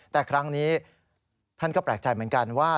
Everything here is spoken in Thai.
แต่ครั้งนี้ท่านก็แปลกใจเหมือนกันว่า